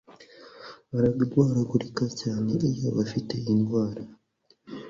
bararwaragurika cyane iyo bafite indwara